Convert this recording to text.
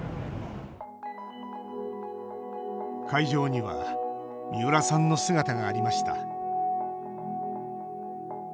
会場には三浦さんの姿がありました。